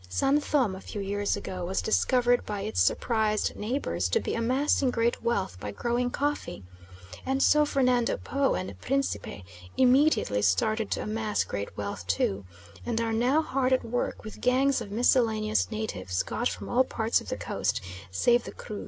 San Thome, a few years ago, was discovered by its surprised neighbours to be amassing great wealth by growing coffee, and so Fernando Po and Principe immediately started to amass great wealth too, and are now hard at work with gangs of miscellaneous natives got from all parts of the Coast save the Kru.